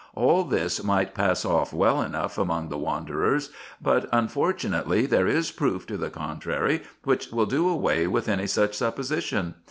All this might pass off well enough among the wanderers ; but, unfor tunately, there is proof to the contrary, which will do away with any such supposition.